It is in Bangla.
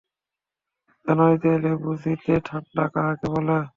জানুয়ারিতে এলে বুঝতি ঠাণ্ডা কাকে বলে।